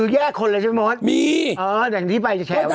หนังที่ไปแขวนตราย